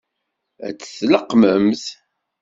Ad t-tleqqmemt?